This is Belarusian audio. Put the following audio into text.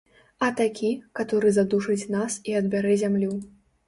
А такі, каторы задушыць нас і адбярэ зямлю.